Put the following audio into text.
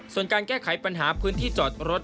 ส่วนการแก้ไขปัญหาพื้นที่จอดรถ